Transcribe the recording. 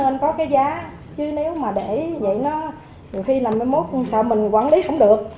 nếu mà mình có cái giá chứ nếu mà để vậy nó nhiều khi làm mấy mốt cũng sao mình quản lý không được